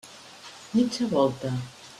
Mitja volta!